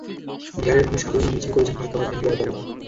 বিহারের মানুষ শাবল নিয়ে মিছিল করেছেন ফারাক্কা বাঁধ ভেঙে দেওয়ার দাবিতে।